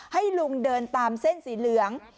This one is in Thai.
ให้ลุงเดินตามเส้นสีเหลือง